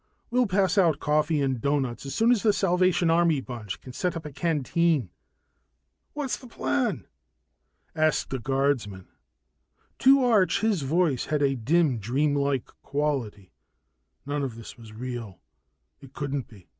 We'll pass out coffee and doughnuts as soon as the Salvation Army bunch can set up a canteen." "What's the plan?" asked a guardsman. To Arch, his voice had a dim dreamlike quality, none of this was real, it couldn't be.